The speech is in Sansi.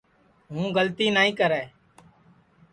ہُوں گلتی نائی کرے